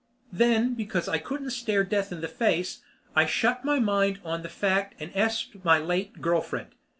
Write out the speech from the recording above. Then because I couldn't stare Death in the face, I shut my mind on the fact and esped my late girl friend.